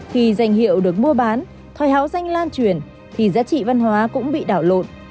khi danh hiệu được mua bán thời háo danh lan truyền thì giá trị văn hóa cũng bị đảo lộn